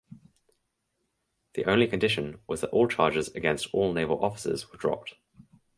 The only condition was that all charges against all naval officers were dropped.